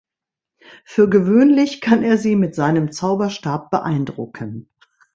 Für gewöhnlich kann er sie mit seinem Zauberstab beeindrucken.